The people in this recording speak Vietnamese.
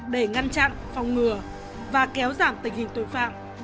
để ngăn chặn phòng ngừa và kéo giảm tình hình tội phạm